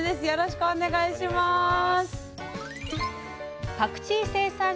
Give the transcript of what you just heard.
よろしくお願いします。